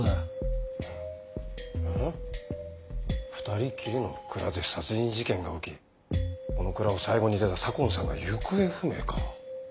２人きりの蔵で殺人事件が起きこの蔵を最後に出た左紺さんが行方不明か。